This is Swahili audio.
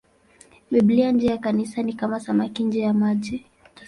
Biblia nje ya Kanisa ni kama samaki nje ya maji.